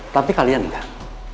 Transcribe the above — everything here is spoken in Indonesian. tapi kalian lihat